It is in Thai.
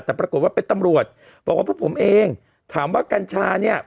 แต่ปรากฏว่าเป็นตำรวจบอกว่าพวกผมเองถามว่ากัญชาเนี่ย